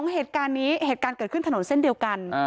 เหตุการณ์นี้เหตุการณ์เกิดขึ้นถนนเส้นเดียวกัน